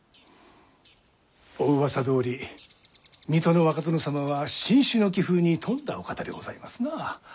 お噂どおり水戸の若殿様は進取の気風に富んだお方でございますな。